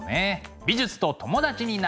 美術と友達になろう！